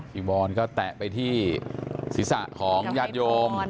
จีวอนก็แตะไปที่ศิษย์ศาสตร์ของญาติโยม